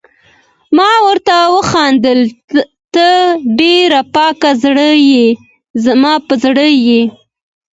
ما ورته وخندل: ته ډېره پاک زړه يې، زما په زړه یې.